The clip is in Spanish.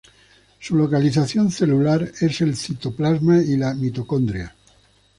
Su localización celular es el citoplasma y la mitocondria.